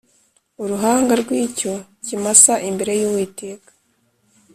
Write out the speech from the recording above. uruhanga rw icyo kimasa imbere y Uwiteka